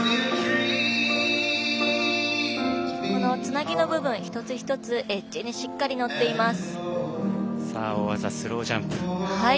このつなぎの部分一つ一つエッジにしっかり乗っています。